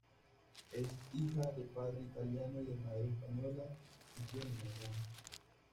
Es hija de padre italiano y de madre española, y tiene un hermano.